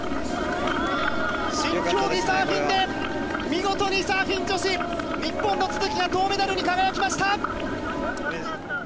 新競技サーフィンで見事にサーフィン女子日本の都筑が銅メダルに輝きました！